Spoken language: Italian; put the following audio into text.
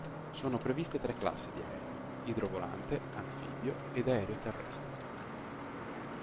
Sono previste tre classi di aerei: idrovolante, anfibio ed aereo terrestre.